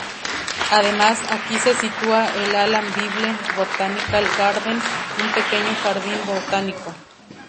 Además, aquí se sitúa el Alan Bible Botanical Garden, un pequeño jardín botánico.